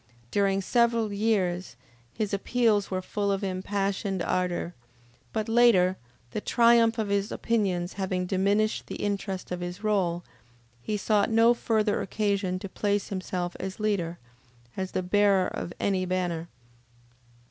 During several years his appeals were full of impassioned ardor, but later, the triumph of his opinions having diminished the interest of his role, he sought no further occasion to place himself as leader, as the bearer of any banner.